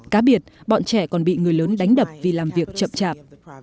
cá biệt bọn trẻ còn bị người lớn đánh đập vì làm việc chậm chạp